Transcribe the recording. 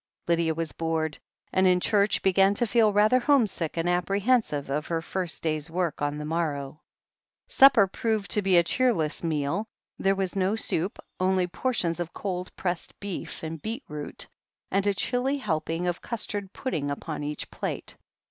Lydia was bored, and in church began to feel rather homesick and apprehensive of her first day's work on the morrow. Supper proved to be a cheerless meal. There was no soup, only portions of cold' pressed beef and beetroot, and a chilly helping of custard pudding upon each plate.